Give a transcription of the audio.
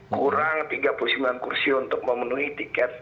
kurang tiga puluh sembilan kursi untuk memenuhi tiket